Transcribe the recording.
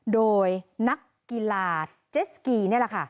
โดยนักกีฬาเจสกีนี่แหละค่ะ